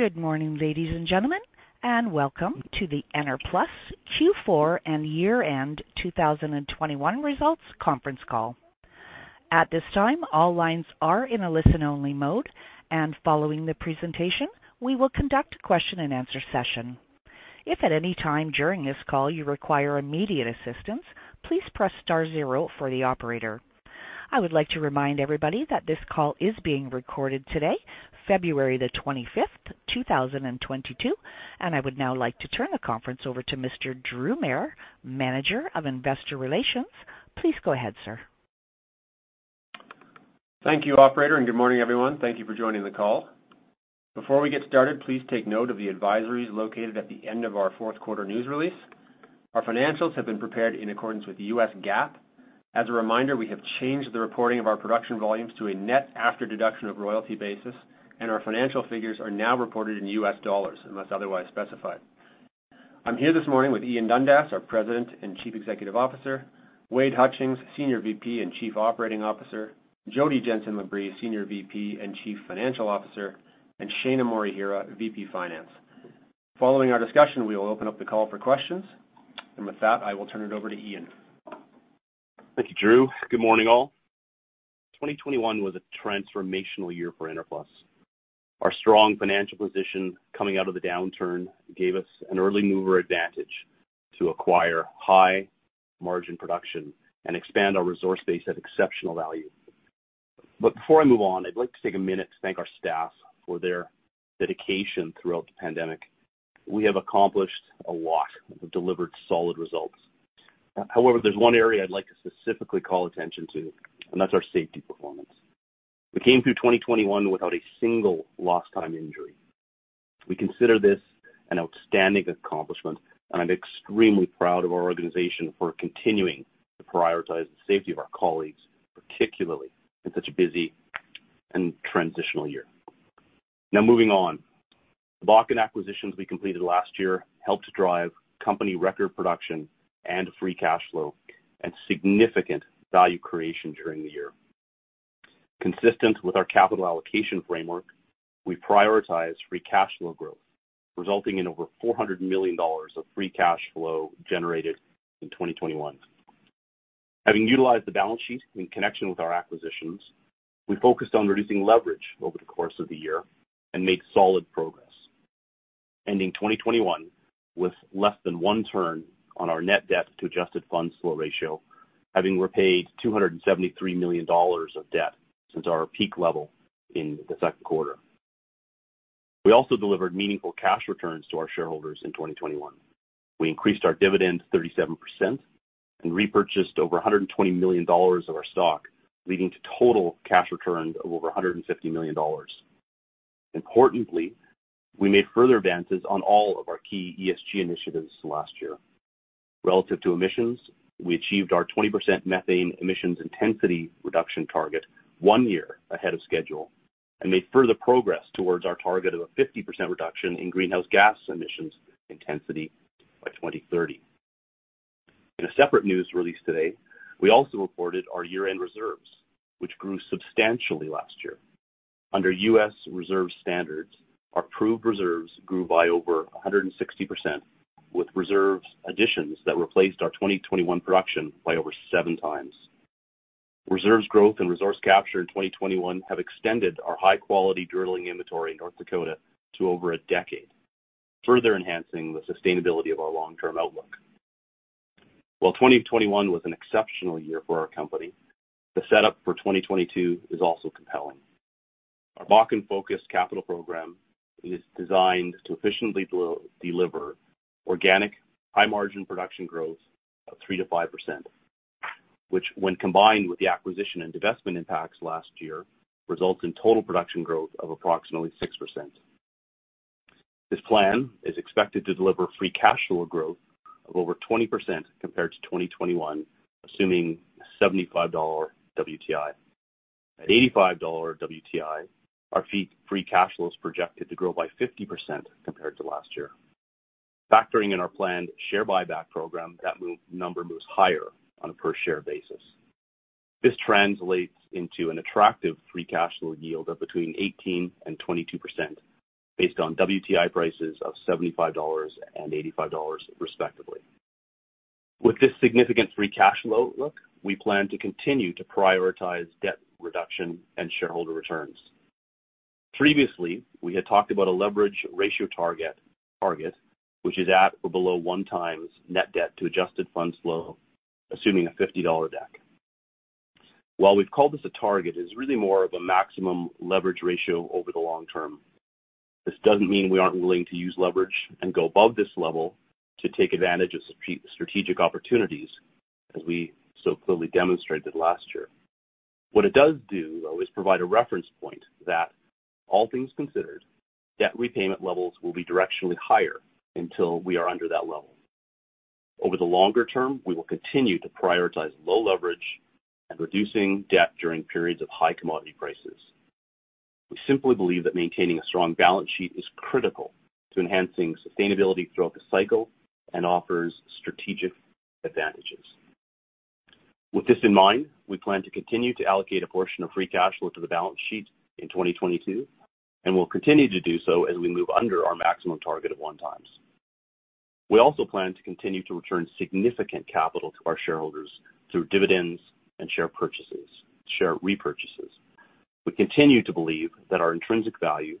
Good morning, ladies and gentlemen, and welcome to the Enerplus Q4 and year-end 2021 results conference call. At this time, all lines are in a listen-only mode, and following the presentation, we will conduct a question and answer session. If at any time during this call you require immediate assistance, please press star zero for the operator. I would like to remind everybody that this call is being recorded today, February 25, 2022. I would now like to turn the conference over to Mr. Drew Mair, Manager of Investor Relations. Please go ahead, sir. Thank you, operator, and good morning, everyone. Thank you for joining the call. Before we get started, please take note of the advisories located at the end of our fourth quarter news release. Our financials have been prepared in accordance with U.S. GAAP. As a reminder, we have changed the reporting of our production volumes to a net after deduction of royalty basis, and our financial figures are now reported in U.S. dollars unless otherwise specified. I'm here this morning with Ian Dundas, our President and Chief Executive Officer, Wade Hutchings, Senior VP and Chief Operating Officer, Jodi Jenson Labrie, Senior VP and Chief Financial Officer, and Shaina Morihira, VP Finance. Following our discussion, we will open up the call for questions. With that, I will turn it over to Ian. Thank you, Drew. Good morning, all. 2021 was a transformational year for Enerplus. Our strong financial position coming out of the downturn gave us an early mover advantage to acquire high margin production and expand our resource base at exceptional value. Before I move on, I'd like to take a minute to thank our staff for their dedication throughout the pandemic. We have accomplished a lot. We've delivered solid results. However, there's one area I'd like to specifically call attention to, and that's our safety performance. We came through 2021 without a single lost time injury. We consider this an outstanding accomplishment, and I'm extremely proud of our organization for continuing to prioritize the safety of our colleagues, particularly in such a busy and transitional year. Now moving on. The Bakken acquisitions we completed last year helped drive company record production and free cash flow and significant value creation during the year. Consistent with our capital allocation framework, we prioritize free cash flow growth, resulting in over $400 million of free cash flow generated in 2021. Having utilized the balance sheet in connection with our acquisitions, we focused on reducing leverage over the course of the year and made solid progress, ending 2021 with less than one turn on our net debt to adjusted funds flow ratio, having repaid $273 million of debt since our peak level in the second quarter. We also delivered meaningful cash returns to our shareholders in 2021. We increased our dividend 37% and repurchased over $120 million of our stock, leading to total cash returns of over $150 million. Importantly, we made further advances on all of our key ESG initiatives last year. Relative to emissions, we achieved our 20% methane emissions intensity reduction target one year ahead of schedule and made further progress towards our target of a 50% reduction in greenhouse gas emissions intensity by 2030. In a separate news release today, we also reported our year-end reserves, which grew substantially last year. Under U.S. reserve standards, our proved reserves grew by over 160%, with reserves additions that replaced our 2021 production by over seven times. Reserves growth and resource capture in 2021 have extended our high-quality drilling inventory in North Dakota to over a decade, further enhancing the sustainability of our long-term outlook. While 2021 was an exceptional year for our company, the setup for 2022 is also compelling. Our BakkenFocus capital program is designed to efficiently deliver organic high-margin production growth of 3%-5%, which when combined with the acquisition and divestment impacts last year, results in total production growth of approximately 6%. This plan is expected to deliver free cash flow growth of over 20% compared to 2021, assuming $75 WTI. At $85 WTI, our free cash flow is projected to grow by 50% compared to last year. Factoring in our planned share buyback program, that number moves higher on a per share basis. This translates into an attractive free cash flow yield of 18%-22% based on WTI prices of $75 and $85, respectively. With this significant free cash flow outlook, we plan to continue to prioritize debt reduction and shareholder returns. Previously, we had talked about a leverage ratio target which is at or below 1x net debt to adjusted funds flow, assuming $50 WTI. While we've called this a target, it's really more of a maximum leverage ratio over the long term. This doesn't mean we aren't willing to use leverage and go above this level to take advantage of strategic opportunities, as we so clearly demonstrated last year. What it does do, though, is provide a reference point that all things considered, debt repayment levels will be directionally higher until we are under that level. Over the longer term, we will continue to prioritize low leverage and reducing debt during periods of high commodity prices. We simply believe that maintaining a strong balance sheet is critical to enhancing sustainability throughout the cycle and offers strategic advantages. With this in mind, we plan to continue to allocate a portion of free cash flow to the balance sheet in 2022, and we'll continue to do so as we move under our maximum target of 1x. We also plan to continue to return significant capital to our shareholders through dividends and share purchases, share repurchases. We continue to believe that our intrinsic value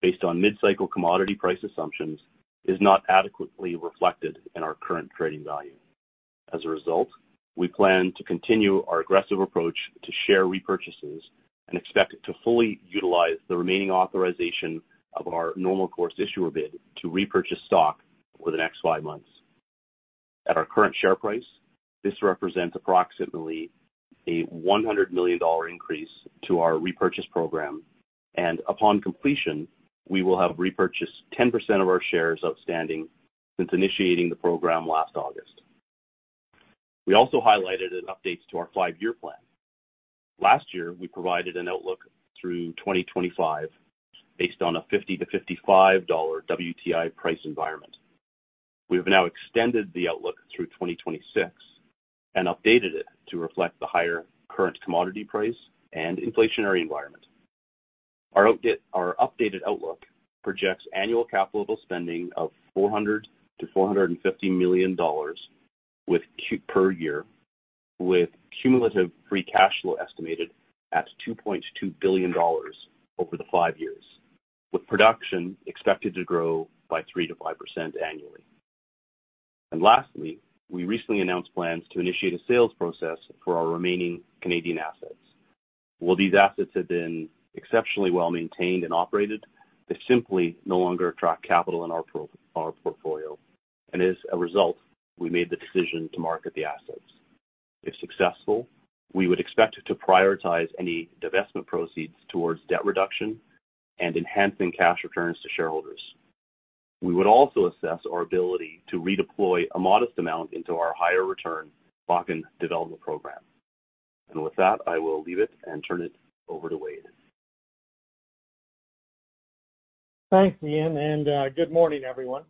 based on mid-cycle commodity price assumptions is not adequately reflected in our current trading value. As a result, we plan to continue our aggressive approach to share repurchases and expect to fully utilize the remaining authorization of our normal course issuer bid to repurchase stock over the next five months. At our current share price, this represents approximately 100 million dollar increase to our repurchase program. Upon completion, we will have repurchased 10% of our shares outstanding since initiating the program last August. We also highlighted updates to our five-year plan. Last year, we provided an outlook through 2025 based on a $50-$55 WTI price environment. We have now extended the outlook through 2026 and updated it to reflect the higher current commodity price and inflationary environment. Our updated outlook projects annual capital spending of $400 million-$450 million per year, with cumulative free cash flow estimated at $2.2 billion over the five years, with production expected to grow by 3%-5% annually. Lastly, we recently announced plans to initiate a sales process for our remaining Canadian assets. While these assets have been exceptionally well-maintained and operated, they simply no longer attract capital in our portfolio. As a result, we made the decision to market the assets. If successful, we would expect to prioritize any divestment proceeds towards debt reduction and enhancing cash returns to shareholders. We would also assess our ability to redeploy a modest amount into our higher return Bakken development program. With that, I will leave it and turn it over to Wade. Thanks, Ian, and good morning, everyone.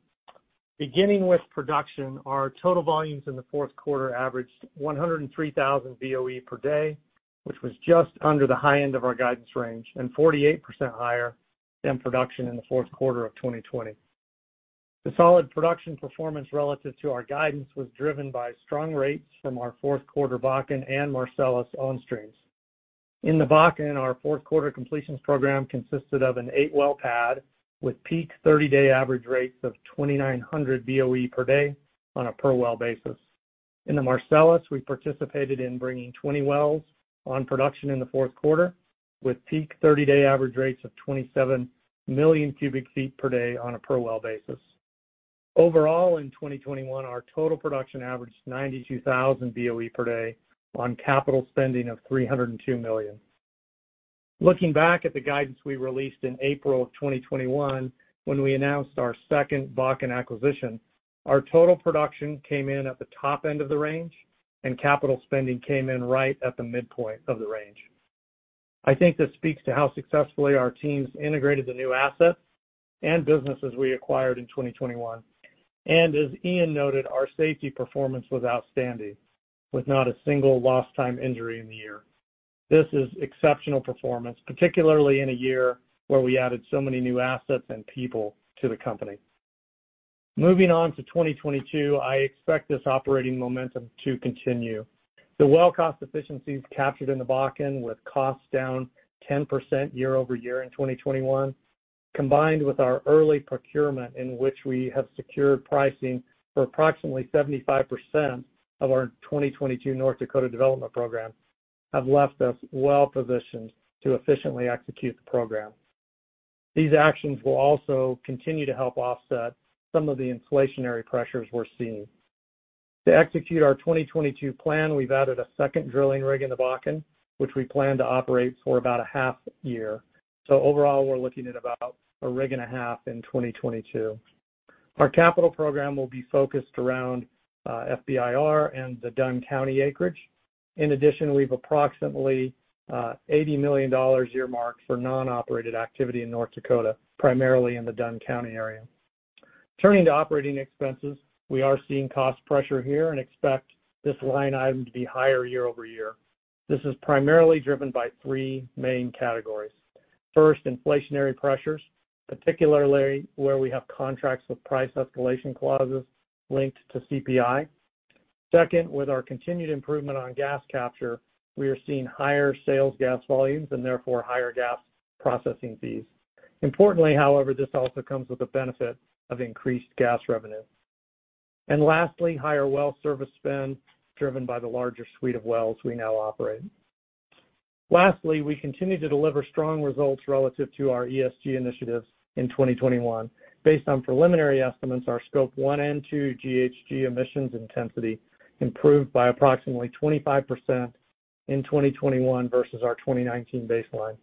Beginning with production, our total volumes in the fourth quarter averaged 103,000 BOE per day, which was just under the high end of our guidance range and 48% higher than production in the fourth quarter of 2020. The solid production performance relative to our guidance was driven by strong rates from our fourth quarter Bakken and Marcellus on-streams. In the Bakken, our fourth quarter completions program consisted of an eight-well pad with peak 30-day average rates of 2,900 BOE per day on a per-well basis. In the Marcellus, we participated in bringing 20 wells on production in the fourth quarter, with peak 30-day average rates of 27 million cubic feet per day on a per-well basis. Overall, in 2021, our total production averaged 92,000 BOE per day on capital spending of $302 million. Looking back at the guidance we released in April 2021, when we announced our second Bakken acquisition, our total production came in at the top end of the range, and capital spending came in right at the midpoint of the range. I think this speaks to how successfully our teams integrated the new assets and businesses we acquired in 2021. As Ian noted, our safety performance was outstanding, with not a single lost time injury in the year. This is exceptional performance, particularly in a year where we added so many new assets and people to the company. Moving on to 2022, I expect this operating momentum to continue. The well cost efficiencies captured in the Bakken, with costs down 10% year-over-year in 2021, combined with our early procurement in which we have secured pricing for approximately 75% of our 2022 North Dakota development program, have left us well positioned to efficiently execute the program. These actions will also continue to help offset some of the inflationary pressures we're seeing. To execute our 2022 plan, we've added a second drilling rig in the Bakken, which we plan to operate for about a half year. Overall, we're looking at about a rig and a half in 2022. Our capital program will be focused around FBIR and the Dunn County acreage. In addition, we've approximately $80 million earmarked for non-operated activity in North Dakota, primarily in the Dunn County area. Turning to operating expenses, we are seeing cost pressure here and expect this line item to be higher year-over-year. This is primarily driven by three main categories. First, inflationary pressures, particularly where we have contracts with price escalation clauses linked to CPI. Second, with our continued improvement on gas capture, we are seeing higher sales gas volumes and therefore higher gas processing fees. Importantly, however, this also comes with the benefit of increased gas revenue. Lastly, higher well service spend driven by the larger suite of wells we now operate. Lastly, we continue to deliver strong results relative to our ESG initiatives in 2021. Based on preliminary estimates, our Scope 1 and 2 GHG emissions intensity improved by approximately 25% in 2021 versus our 2019 baseline.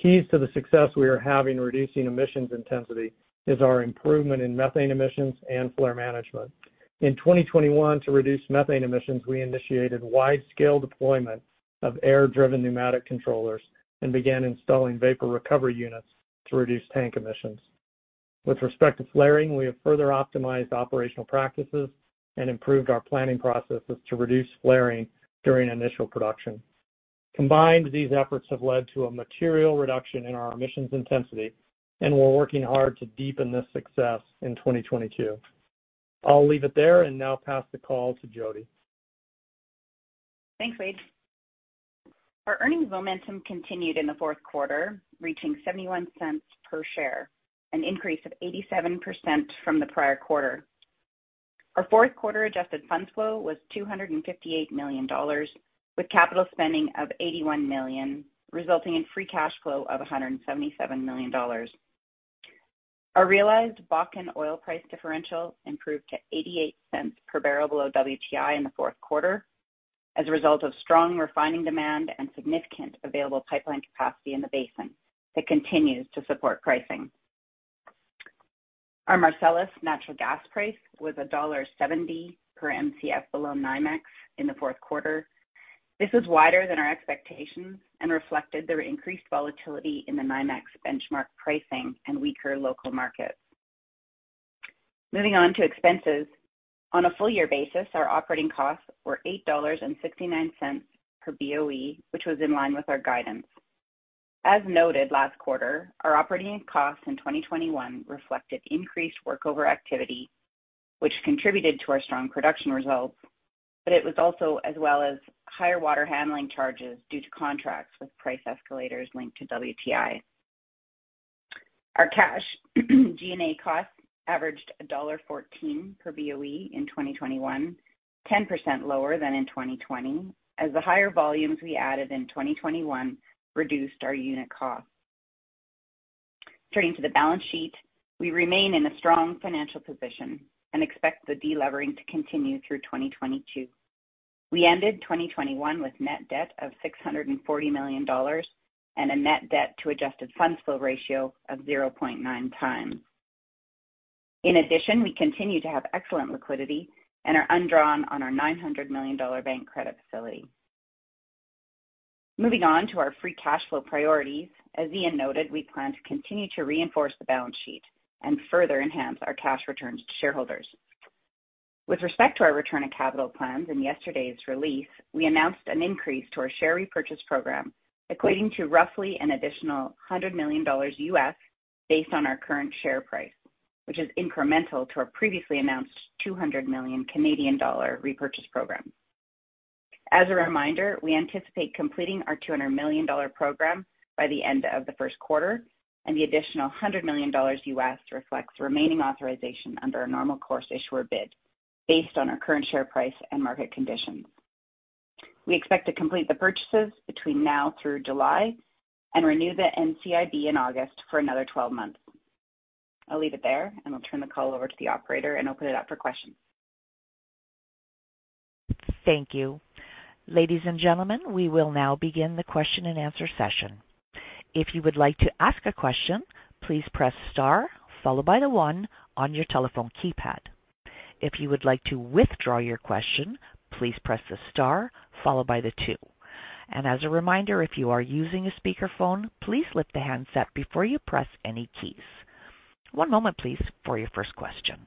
Keys to the success we are having reducing emissions intensity is our improvement in methane emissions and flare management. In 2021, to reduce methane emissions, we initiated wide-scale deployment of air-driven pneumatic controllers and began installing vapor recovery units to reduce tank emissions. With respect to flaring, we have further optimized operational practices and improved our planning processes to reduce flaring during initial production. Combined, these efforts have led to a material reduction in our emissions intensity, and we're working hard to deepen this success in 2022. I'll leave it there and now pass the call to Jodi. Thanks, Wade. Our earnings momentum continued in the fourth quarter, reaching 71 cents per share, an increase of 87% from the prior quarter. Our fourth quarter adjusted funds flow was $258 million, with capital spending of $81 million, resulting in free cash flow of $177 million. Our realized Bakken oil price differential improved to 88 cents per barrel below WTI in the fourth quarter as a result of strong refining demand and significant available pipeline capacity in the basin that continues to support pricing. Our Marcellus natural gas price was $1.70 per Mcf below NYMEX in the fourth quarter. This is wider than our expectations and reflected the increased volatility in the NYMEX benchmark pricing and weaker local markets. Moving on to expenses. On a full year basis, our operating costs were $8.69 per BOE, which was in line with our guidance. As noted last quarter, our operating costs in 2021 reflected increased workover activity, which contributed to our strong production results. It was also as well as higher water handling charges due to contracts with price escalators linked to WTI. Our cash G&A costs averaged $1.14 per BOE in 2021, 10% lower than in 2020, as the higher volumes we added in 2021 reduced our unit costs. Turning to the balance sheet. We remain in a strong financial position and expect the delevering to continue through 2022. We ended 2021 with net debt of $640 million and a net debt to adjusted funds flow ratio of 0.9 times. In addition, we continue to have excellent liquidity and are undrawn on our $900 million bank credit facility. Moving on to our free cash flow priorities. As Ian noted, we plan to continue to reinforce the balance sheet and further enhance our cash returns to shareholders. With respect to our return of capital plans in yesterday's release, we announced an increase to our share repurchase program equating to roughly an additional $100 million US dollars based on our current share price, which is incremental to our previously announced 200 million Canadian dollar repurchase program. As a reminder, we anticipate completing our 200 million dollar program by the end of the first quarter, and the additional $100 million US dollars reflects remaining authorization under our normal course issuer bid based on our current share price and market conditions. We expect to complete the purchases between now through July and renew the NCIB in August for another 12 months. I'll leave it there, and I'll turn the call over to the operator and open it up for questions. Thank you. Ladies and gentlemen, we will now begin the question-and-answer session. If you would like to ask a question, please press star followed by the one on your telephone keypad. If you would like to withdraw your question, please press the star followed by the two. As a reminder, if you are using a speakerphone, please lift the handset before you press any keys. One moment please, for your first question.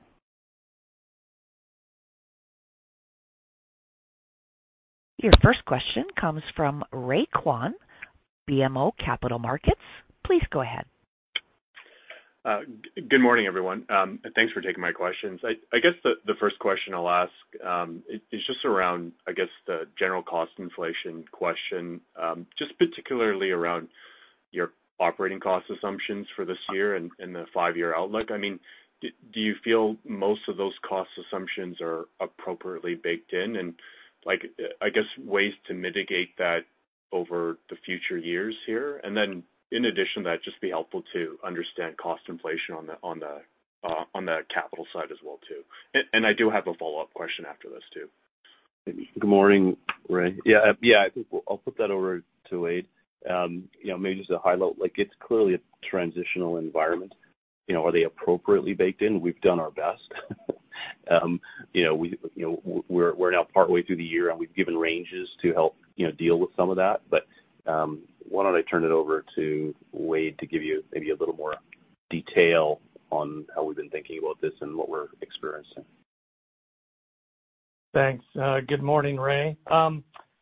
Your first question comes from Ray Kwan, BMO Capital Markets. Please go ahead. Good morning, everyone, and thanks for taking my questions. I guess the first question I'll ask is just around, I guess, the general cost inflation question, just particularly around your operating cost assumptions for this year and the five-year outlook. I mean, do you feel most of those cost assumptions are appropriately baked in? Like, I guess, ways to mitigate that over the future years here. In addition to that, just be helpful to understand cost inflation on the capital side as well too. I do have a follow-up question after this too. Good morning, Ray. Yeah, I think I'll put that over to Wade. You know, maybe just to highlight, like it's clearly a transitional environment, you know, are they appropriately baked in? We've done our best. You know, we're now partway through the year, and we've given ranges to help, you know, deal with some of that. Why don't I turn it over to Wade to give you maybe a little more detail on how we've been thinking about this and what we're experiencing. Thanks. Good morning, Ray.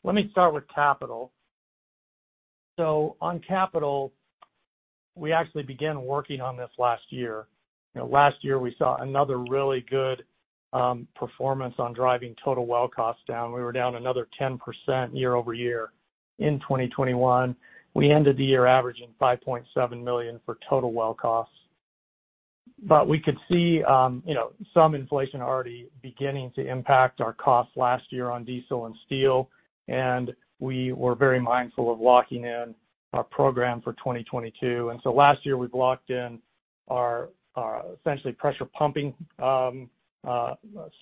Let me start with capital. On capital, we actually began working on this last year. You know, last year, we saw another really good performance on driving total well costs down. We were down another 10% year-over-year in 2021. We ended the year averaging $5.7 million for total well costs. We could see, you know, some inflation already beginning to impact our costs last year on diesel and steel, and we were very mindful of locking in our program for 2022. Last year, we locked in our essentially pressure pumping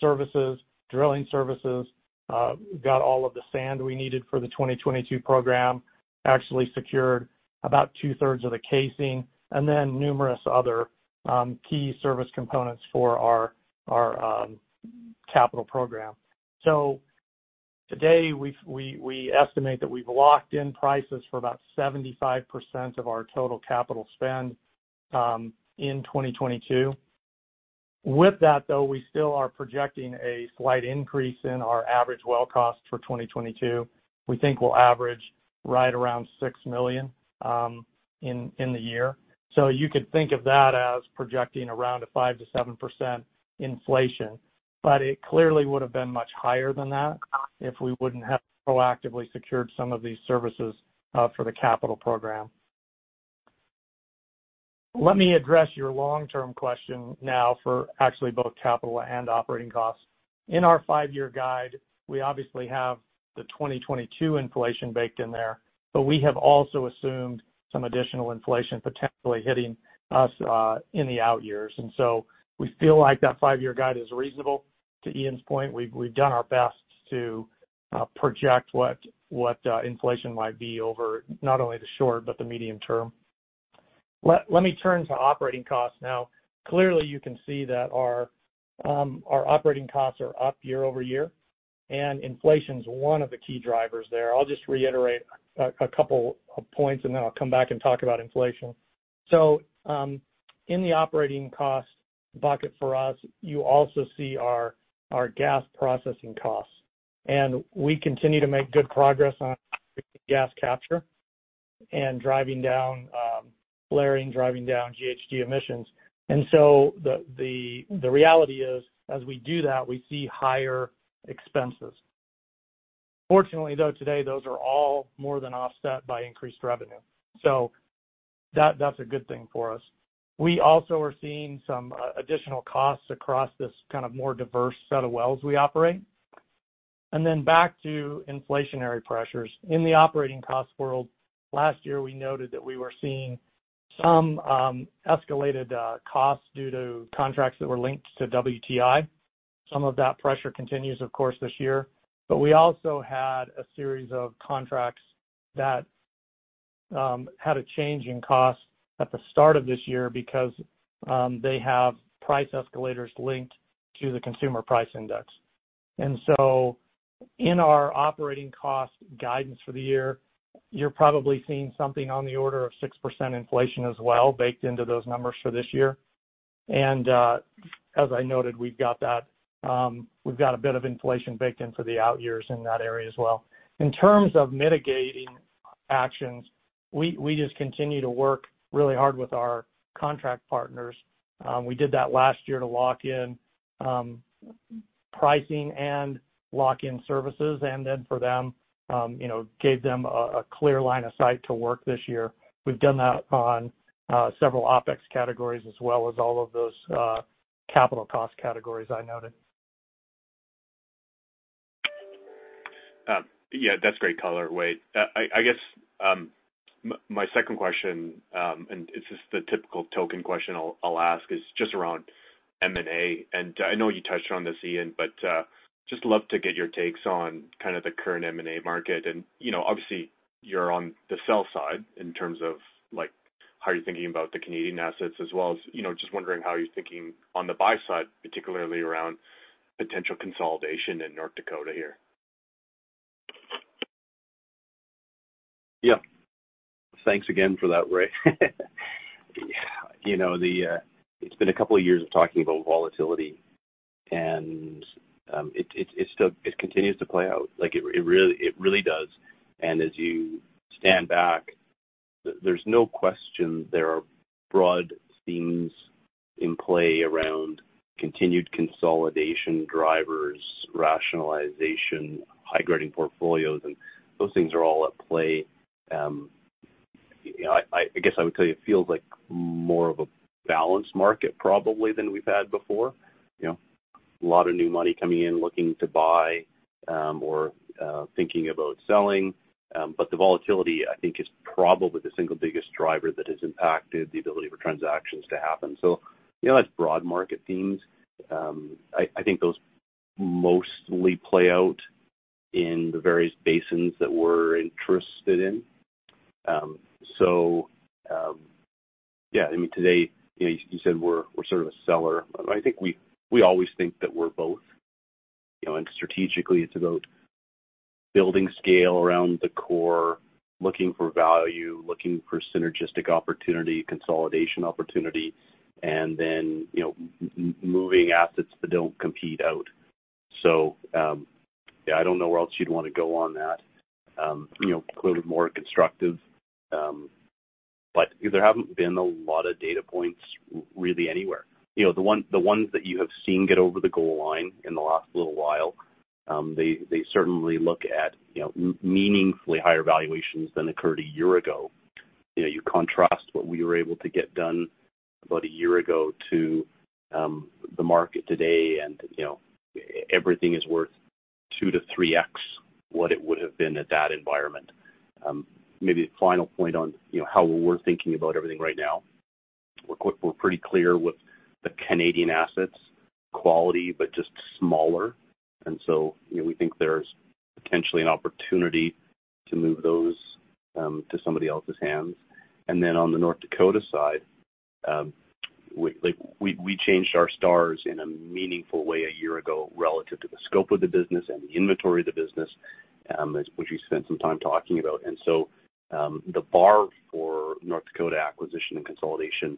services, drilling services, got all of the sand we needed for the 2022 program. Actually secured about two-thirds of the casing and then numerous other key service components for our capital program. Today, we estimate that we have locked in prices for about 75% of our total capital spend in 2022. With that, though, we still are projecting a slight increase in our average well cost for 2022. We think we'll average right around $6 million in the year. You could think of that as projecting around a 5%-7% inflation. It clearly would have been much higher than that if we wouldn't have proactively secured some of these services for the capital program. Let me address your long-term question now for actually both capital and operating costs. In our five-year guide, we obviously have the 2022 inflation baked in there, but we have also assumed some additional inflation potentially hitting us in the out years. We feel like that five-year guide is reasonable. To Ian's point, we've done our best to project what inflation might be over not only the short, but the medium term. Let me turn to operating costs now. Clearly, you can see that our operating costs are up year-over-year, and inflation is one of the key drivers there. I'll just reiterate a couple of points, and then I'll come back and talk about inflation. In the operating cost bucket for us, you also see our gas processing costs. We continue to make good progress on gas capture and driving down flaring, driving down GHG emissions. The reality is, as we do that, we see higher expenses. Fortunately, though, today, those are all more than offset by increased revenue. That's a good thing for us. We also are seeing some additional costs across this kind of more diverse set of wells we operate. Back to inflationary pressures. In the operating cost world, last year, we noted that we were seeing some escalated costs due to contracts that were linked to WTI. Some of that pressure continues, of course, this year. We also had a series of contracts that had a change in cost at the start of this year because they have price escalators linked to the consumer price index. In our operating cost guidance for the year, you're probably seeing something on the order of 6% inflation as well baked into those numbers for this year. As I noted, we've got a bit of inflation baked in for the out years in that area as well. In terms of mitigating actions, we just continue to work really hard with our contract partners. We did that last year to lock in pricing and lock in services, and then for them, you know, gave them a clear line of sight to work this year. We've done that on several OpEx categories as well as all of those capital cost categories I noted. Yeah, that's great color, Wade. I guess my second question, and it's just the typical token question I'll ask is just around M&A. I know you touched on this, Ian, but just love to get your takes on kind of the current M&A market. You know, obviously, you're on the sell side in terms of, like, how you're thinking about the Canadian assets as well as, you know, just wondering how you're thinking on the buy side, particularly around potential consolidation in North Dakota here. Yeah. Thanks again for that, Ray. You know, it's been a couple of years of talking about volatility, and it continues to play out. Like, it really does. There's no question there are broad themes in play around continued consolidation drivers, rationalization, high-grading portfolios, and those things are all at play. You know, I guess I would tell you it feels like more of a balanced market probably than we've had before. You know, a lot of new money coming in looking to buy or thinking about selling. The volatility, I think, is probably the single biggest driver that has impacted the ability for transactions to happen. You know, that's broad market themes. I think those mostly play out in the various basins that we're interested in. Yeah, I mean, today, you know, you said we're sort of a seller. I think we always think that we're both, you know, and strategically it's about building scale around the core, looking for value, looking for synergistic opportunity, consolidation opportunity, and then, you know, moving assets that don't compete out. Yeah, I don't know where else you'd wanna go on that, you know, clearly more constructive. There haven't been a lot of data points really anywhere. You know, the ones that you have seen get over the goal line in the last little while, they certainly look like, you know, meaningfully higher valuations than occurred a year ago. You know, you contrast what we were able to get done about a year ago to the market today and, you know, everything is worth 2-3x what it would have been at that environment. Maybe a final point on, you know, how we're thinking about everything right now. We're pretty clear with the Canadian assets quality, but just smaller. You know, we think there's potentially an opportunity to move those to somebody else's hands. On the North Dakota side, we changed our stripes in a meaningful way a year ago relative to the scope of the business and the inventory of the business, as which we spent some time talking about. The bar for North Dakota acquisition and consolidation,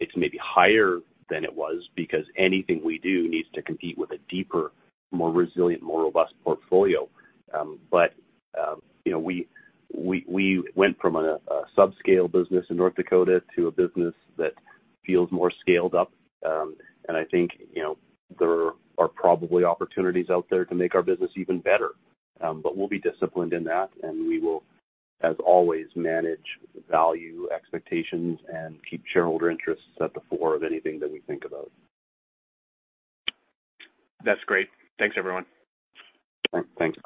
it's maybe higher than it was because anything we do needs to compete with a deeper, more resilient, more robust portfolio. You know, we went from a subscale business in North Dakota to a business that feels more scaled up. I think, you know, there are probably opportunities out there to make our business even better. We'll be disciplined in that, and we will, as always, manage value expectations and keep shareholder interests at the fore of anything that we think about. That's great. Thanks, everyone. Thanks.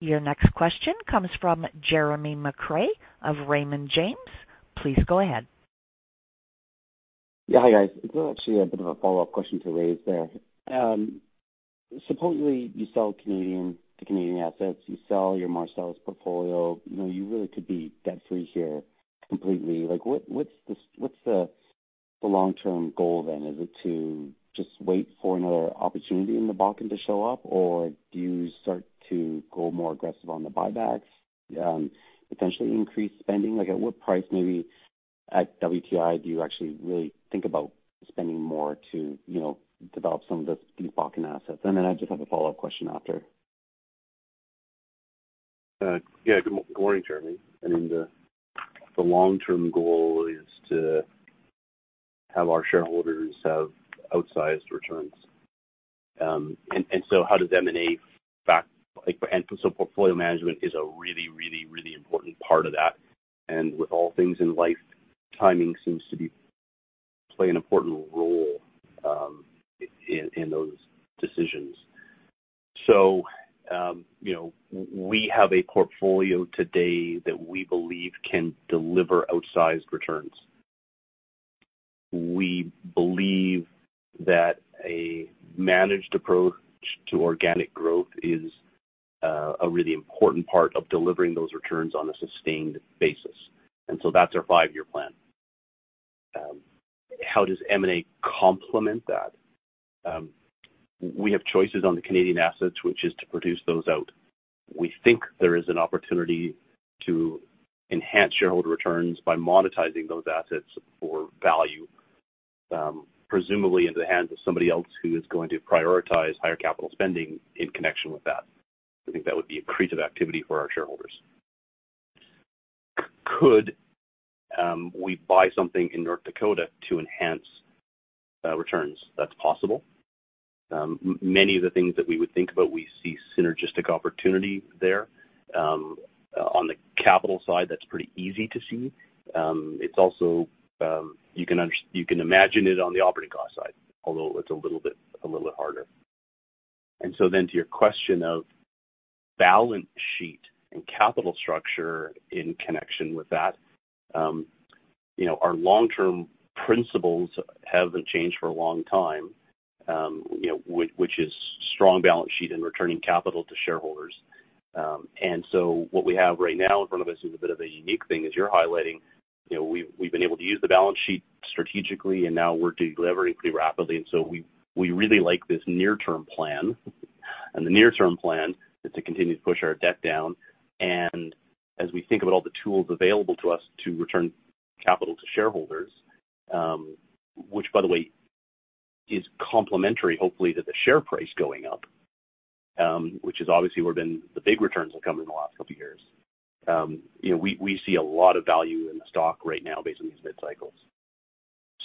Your next question comes from Jeremy McCrea of Raymond James. Please go ahead. Yeah. Hi, guys. It's actually a bit of a follow-up question to raise there. Supposedly, you sell Canadian to Canadian assets, you sell your Marcellus portfolio, you know, you really could be debt free here completely. Like, what's the long-term goal then? Is it to just wait for another opportunity in the Bakken to show up, or do you start to go more aggressive on the buybacks, potentially increase spending? Like, at what price maybe at WTI do you actually really think about spending more to, you know, develop some of these Bakken assets? And then I just have a follow-up question after. Yeah. Good morning, Jeremy. I mean, the long-term goal is to have our shareholders have outsized returns. Portfolio management is a really important part of that. With all things in life, timing seems to play an important role in those decisions. You know, we have a portfolio today that we believe can deliver outsized returns. We believe that a managed approach to organic growth is a really important part of delivering those returns on a sustained basis. That's our five-year plan. How does M&A complement that? We have choices on the Canadian assets, which is to produce those out. We think there is an opportunity to enhance shareholder returns by monetizing those assets for value, presumably into the hands of somebody else who is going to prioritize higher capital spending in connection with that. I think that would be accretive activity for our shareholders. Could we buy something in North Dakota to enhance returns? That's possible. Many of the things that we would think about, we see synergistic opportunity there. On the capital side, that's pretty easy to see. It's also, you can imagine it on the operating cost side, although it's a little bit harder. To your question of balance sheet and capital structure in connection with that, you know, our long-term principles haven't changed for a long time, you know, which is strong balance sheet and returning capital to shareholders. What we have right now in front of us is a bit of a unique thing, as you're highlighting. You know, we've been able to use the balance sheet strategically, and now we're delivering pretty rapidly. We really like this near-term plan. The near-term plan is to continue to push our debt down. As we think about all the tools available to us to return capital to shareholders, which by the way, is complementary, hopefully, to the share price going up, which is obviously where the big returns have come in the last couple of years. You know, we see a lot of value in the stock right now based on these mid-cycles.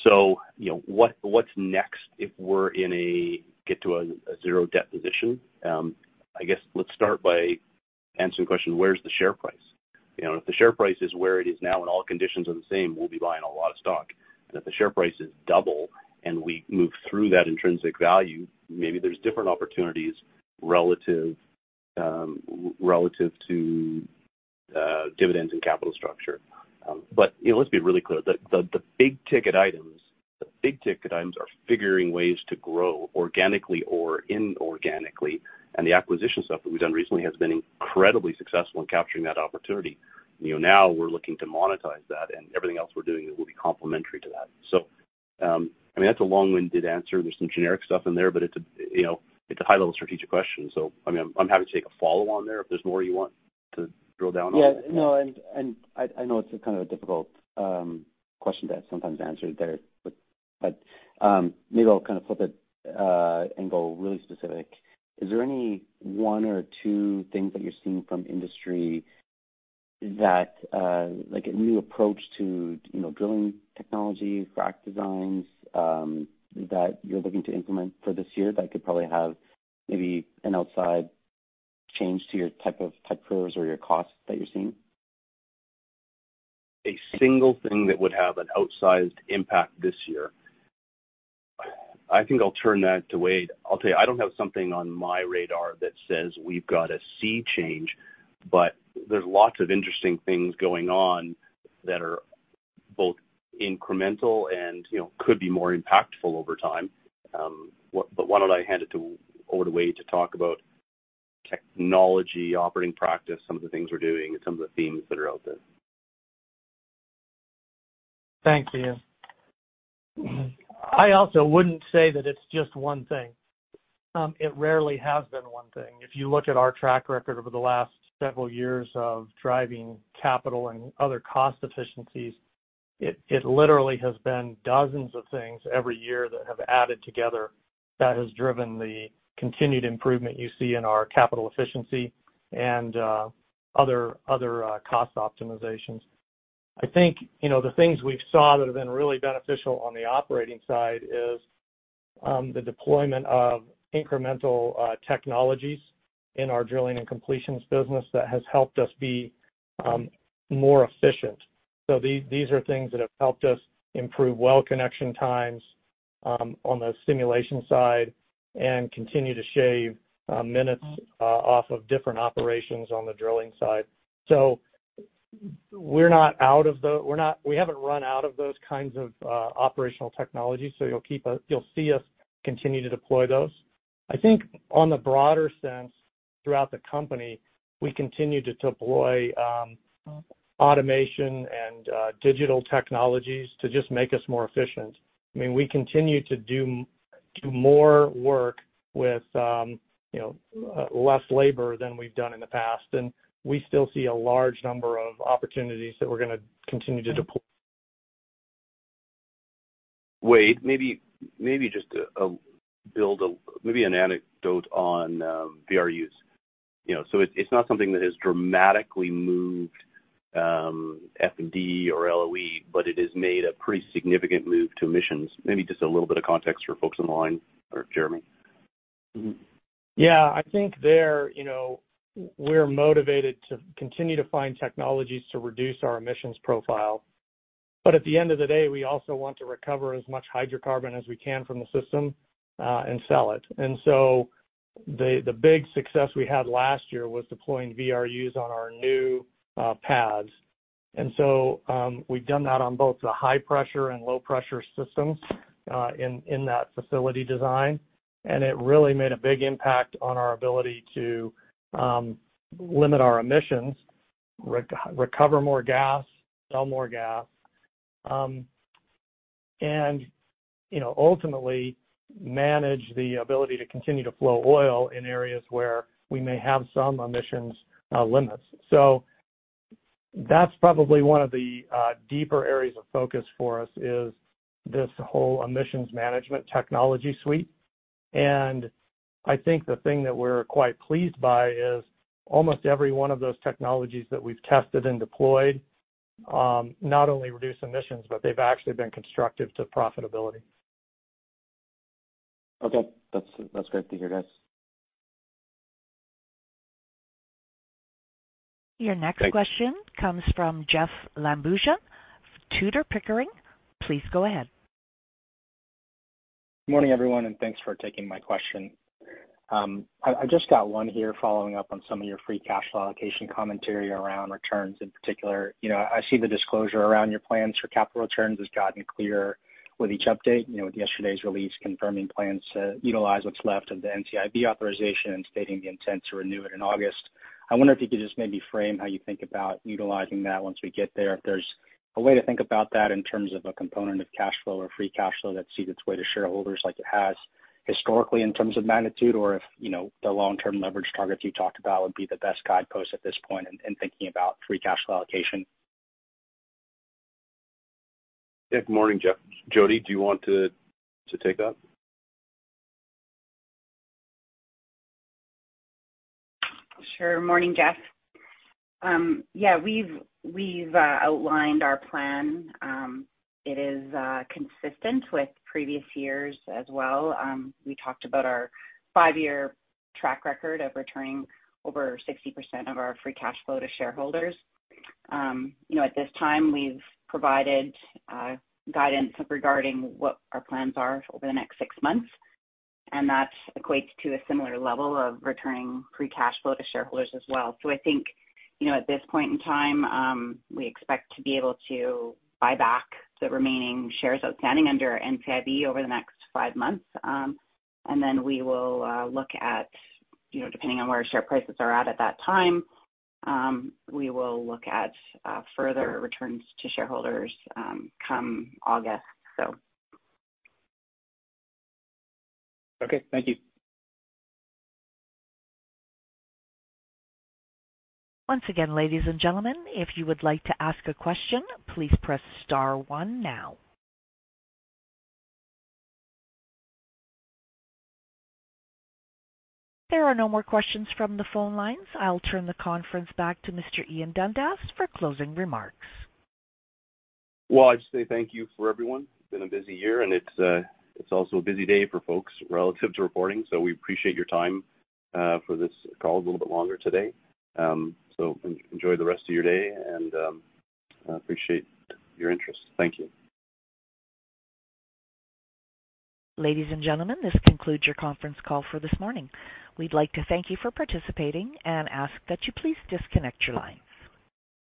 You know, what's next if we get to a zero debt position? I guess let's start by answering the question, where's the share price? You know, if the share price is where it is now and all conditions are the same, we'll be buying a lot of stock. If the share price is double and we move through that intrinsic value, maybe there's different opportunities relative to dividends and capital structure. You know, let's be really clear. The big-ticket items are figuring ways to grow organically or inorganically. The acquisition stuff that we've done recently has been incredibly successful in capturing that opportunity. You know, now we're looking to monetize that, and everything else we're doing will be complementary to that. I mean, that's a long-winded answer. There's some generic stuff in there, but it's a, you know, it's a high-level strategic question. I mean, I'm happy to take a follow on there if there's more you want to drill down on. I know it's a kind of a difficult question to sometimes answer there, but maybe I'll kind of flip it and go really specific. Is there any one or two things that you're seeing from industry that like a new approach to, you know, drilling technologies, frac designs, that you're looking to implement for this year that could probably have maybe an outside chance to your type curves or your costs that you're seeing? A single thing that would have an outsized impact this year. I think I'll turn that to Wade. I'll tell you, I don't have something on my radar that says we've got a sea change, but there's lots of interesting things going on that are both incremental and, you know, could be more impactful over time. Why don't I hand it over to Wade to talk about technology, operating practice, some of the things we're doing and some of the themes that are out there. Thanks, Ian. I also wouldn't say that it's just one thing. It rarely has been one thing. If you look at our track record over the last several years of driving capital and other cost efficiencies, it literally has been dozens of things every year that have added together that has driven the continued improvement you see in our capital efficiency and other cost optimizations. I think, you know, the things we've seen that have been really beneficial on the operating side is the deployment of incremental technologies in our drilling and completions business that has helped us be more efficient. These are things that have helped us improve well connection times on the stimulation side and continue to shave minutes off of different operations on the drilling side. We're not out of the We haven't run out of those kinds of operational technologies, so you'll see us continue to deploy those. I think on the broader sense throughout the company, we continue to deploy automation and digital technologies to just make us more efficient. I mean, we continue to do more work with you know, less labor than we've done in the past, and we still see a large number of opportunities that we're gonna continue to deploy. Wade, maybe just a bit, maybe an anecdote on VRUs. You know, it's not something that has dramatically moved F&D or LOE, but it has made a pretty significant move to emissions. Maybe just a little bit of context for folks on the line or Jeremy. Yeah. I think there, you know, we're motivated to continue to find technologies to reduce our emissions profile. At the end of the day, we also want to recover as much hydrocarbon as we can from the system and sell it. The big success we had last year was deploying VRUs on our new pads. We've done that on both the high-pressure and low-pressure systems in that facility design. It really made a big impact on our ability to limit our emissions, recover more gas, sell more gas and, you know, ultimately manage the ability to continue to flow oil in areas where we may have some emissions limits. That's probably one of the deeper areas of focus for us, is this whole emissions management technology suite. I think the thing that we're quite pleased by is almost every one of those technologies that we've tested and deployed, not only reduce emissions, but they've actually been constructive to profitability. Okay. That's great to hear, guys. Your next question comes from Jeoffrey Lambujon of Tudor Pickering. Please go ahead. Morning, everyone, and thanks for taking my question. I just got one here following up on some of your free cash flow allocation commentary around returns in particular. You know, I see the disclosure around your plans for capital returns has gotten clearer with each update, you know, with yesterday's release confirming plans to utilize what's left of the NCIB authorization and stating the intent to renew it in August. I wonder if you could just maybe frame how you think about utilizing that once we get there. If there's a way to think about that in terms of a component of cash flow or free cash flow that sees its way to shareholders like it has historically in terms of magnitude, or if, you know, the long-term leverage targets you talked about would be the best guidepost at this point in thinking about free cash flow allocation. Yeah. Morning, Jeff. Jodi, do you want to take that? Sure. Morning, Jeff. Yeah, we've outlined our plan. It is consistent with previous years as well. We talked about our five-year track record of returning over 60% of our free cash flow to shareholders. You know, at this time, we've provided guidance regarding what our plans are over the next Six months, and that equates to a similar level of returning free cash flow to shareholders as well. I think, you know, at this point in time, we expect to be able to buy back the remaining shares outstanding under NCIB over the next five months. And then we will look at, you know, depending on where our share prices are at that time, further returns to shareholders, come August. Okay. Thank you. Once again, ladies and gentlemen, if you would like to ask a question, please press star one now. There are no more questions from the phone lines. I'll turn the conference back to Mr. Ian Dundas for closing remarks. Well, I'd say thank you for everyone. It's been a busy year, and it's also a busy day for folks relative to reporting, so we appreciate your time for this call a little bit longer today. Enjoy the rest of your day and appreciate your interest. Thank you. Ladies and gentlemen, this concludes your conference call for this morning. We'd like to thank you for participating and ask that you please disconnect your lines.